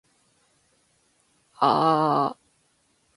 aaaa